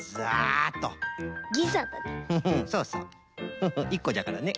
フフ１こじゃからね。